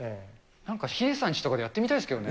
なんかヒデさんちとかでやってみたいですけどね。